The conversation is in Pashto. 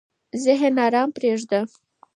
ذهن ارام پرېږده.